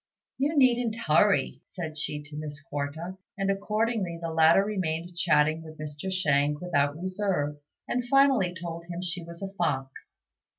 "You needn't hurry," said she to Miss Quarta; and accordingly the latter remained chatting with Mr. Shang without reserve, and finally told him she was a fox.